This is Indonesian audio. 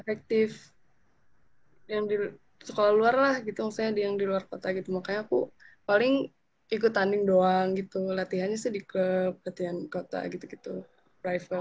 efektif yang di sekolah luar lah gitu maksudnya yang di luar kota gitu makanya aku paling ikut tanding doang gitu latihannya sih di klub latihan kota gitu gitu privale